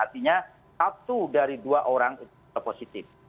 artinya satu dari dua orang itu positif